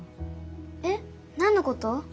えっなんのこと？